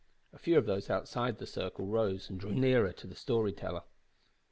A few of those outside the circle rose and drew nearer to the story teller.